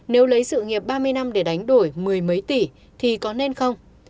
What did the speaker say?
nếu lấy sự nghiệp ba mươi năm để đánh đổi mười mấy tỷ thì có nên không